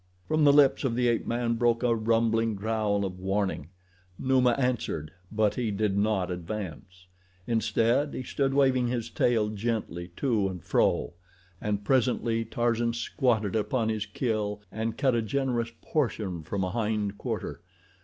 From the lips of the ape man broke a rumbling growl of warning. Numa answered but he did not advance. Instead he stood waving his tail gently to and fro, and presently Tarzan squatted upon his kill and cut a generous portion from a hind quarter.